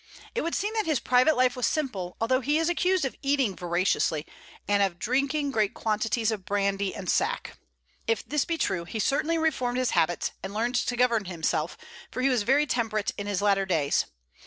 It would seem that his private life was simple, although he is accused of eating voraciously, and of drinking great quantities of brandy and sack. If this be true, he certainly reformed his habits, and learned to govern himself, for he was very temperate in his latter days.